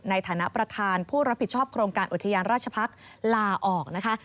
ในฐานะประธานผู้รับผิดชอบโครงการอุทยานราชพักษ์ลาออกนะคะ